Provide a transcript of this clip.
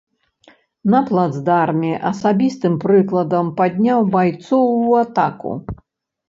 На плацдарме асабістым прыкладам падняў байцоў у атаку.